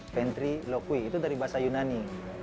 ventriloquist itu dari bahasa yunani